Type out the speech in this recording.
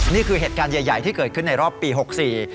นี่คือเหตุการณ์ใหญ่ที่เกิดขึ้นในรอบปี๖๔